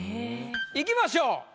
いきましょう。